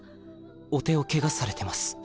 お手をケガされてます。